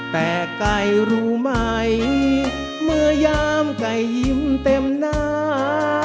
แต่ไก่รู้ไหมเมื่อยามไก่ยิ้มเต็มหน้า